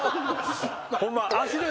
ホンマ。